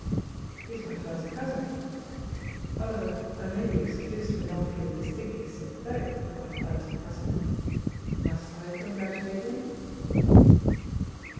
"He's my first cousin," he said. "However, I may be excused for not feeling distinctly sympathetic with my first cousin. Must I congratulate him?"